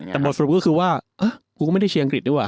แต่บทฤพธิ์ก็คือว่าเอ๊ะกูก็ไม่ได้เชียร์อังกฤษด้วยวะ